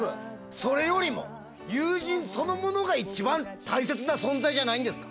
それよりも友人そのものが一番大切な存在じゃないんですか。